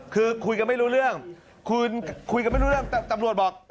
คือคุยกันไม่รู้เรื่องคุยกันไม่รู้เรื่องตำรวจบอก